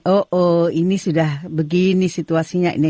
oh oh ini sudah begini situasinya ini